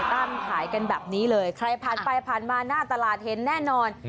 ตามขายกันแบบนี้เลยใครพันไปประมาณหน้าตลาดเห็นแน่นอน